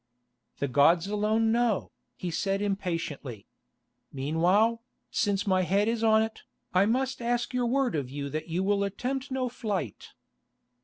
"The gods alone know," he said impatiently. "Meanwhile, since my head is on it, I must ask your word of you that you will attempt no flight."